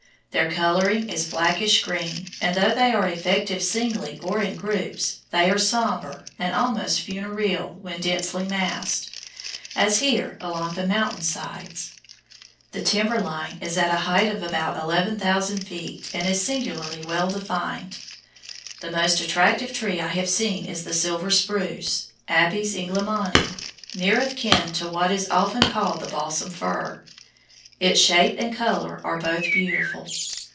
Their coloring is blackish green, and though they are effective singly or in groups, they are somber and almost funereal when densely massed, as here, along the mountain sides. The timber line is at a height of about 11,000 feet, and is singularly well defined. The most attractive tree I have seen is the silver spruce, Abies Englemanii, near of kin to what is often called the balsam fir. Its shape and color are both beautiful.